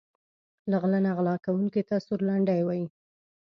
له غله نه غلا کونکي ته سورلنډی وايي.